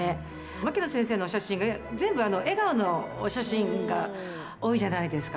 牧野先生のお写真が全部、笑顔のお写真が多いじゃないですか。